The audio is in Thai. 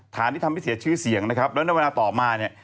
ฐานที่ทำให้เสียชื่อเสียงนะครับแล้วในเวลาต่อมาเนี่ย